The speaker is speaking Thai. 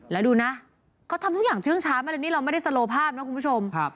แล้วดูนะเขาทำทุกอย่างเชื่องช้ามาเลยนี่เราไม่ได้สโลภาพนะคุณผู้ชม